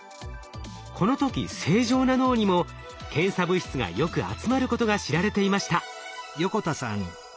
この時正常な脳にも検査物質がよく集まることが知られていました。